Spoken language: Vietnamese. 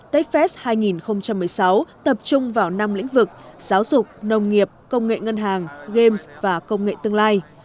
techfest hai nghìn một mươi sáu tập trung vào năm lĩnh vực giáo dục nông nghiệp công nghệ ngân hàng game và công nghệ tương lai